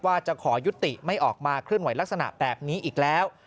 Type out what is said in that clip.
ว่าจะขอยุติไม่ออกมาเคลื่อนไหวลักษณะแบบนี้อีกแล้ว